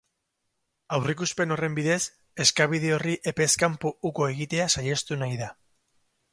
Aurreikuspen horren bidez, eskabide horri epez kanpo uko egitea saihestu nahi da.